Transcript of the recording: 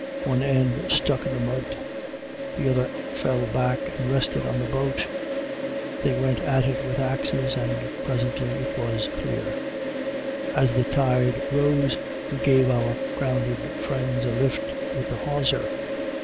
One end stuck in the mud. The other fell back and rested on the boat. They went at it with axes, and presently it was clear. As the tide rose, we gave our grounded friends a lift with the hawser.